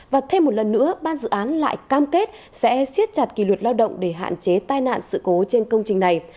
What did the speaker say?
và thêm một lần nữa ban dự án lại cam kết sẽ xiết chặt kỷ luật lao động để hạn chế tai nạn sự cố trên công trình này